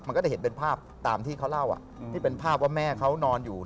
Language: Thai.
มันก็จะเห็นเป็นภาพตามที่เขาเล่าที่เป็นภาพว่าแม่เขานอนอยู่